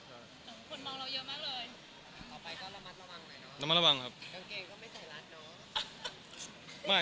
คนมองเราเยอะมากเลย